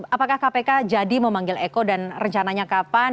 apakah kpk jadi memanggil eko dan rencananya kapan